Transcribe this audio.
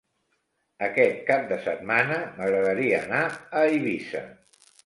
Aquest cap de setmana m'agradaria anar a Eivissa.